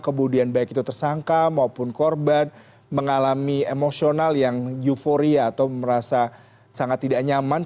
kemudian baik itu tersangka maupun korban mengalami emosional yang euforia atau merasa sangat tidak nyaman